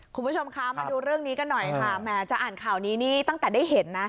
คุณผู้ชมคะมาดูเรื่องนี้กันหน่อยค่ะแหมจะอ่านข่าวนี้นี่ตั้งแต่ได้เห็นนะ